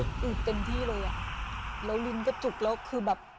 แล้วลิ้นก็จุบแล้ว